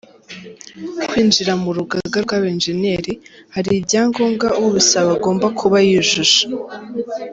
Kwinjira mu rugaga rw’abenjeniyeri, hari ibyangombwa ubisaba agomba kuba yujuje.